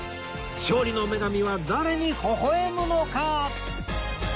勝利の女神は誰にほほ笑むのか！？